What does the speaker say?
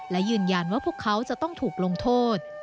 และยืนยันว่าพวกเขาจะต้องถูกลงโทษ